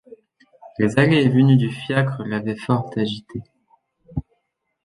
Les allées et venues du fiacre l’avaient fort agité.